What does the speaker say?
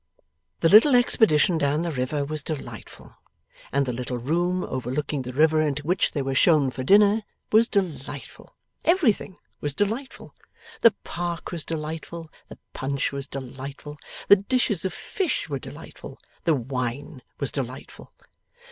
The little expedition down the river was delightful, and the little room overlooking the river into which they were shown for dinner was delightful. Everything was delightful. The park was delightful, the punch was delightful, the dishes of fish were delightful, the wine was delightful.